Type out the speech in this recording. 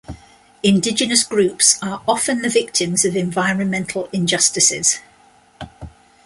Indigenous groups are often the victims of environmental injustices.